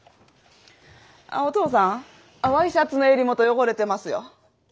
あお父さんワイシャツの襟元汚れてますよ。